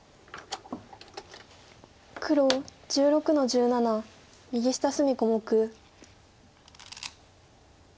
黒１６の十七右下隅小目。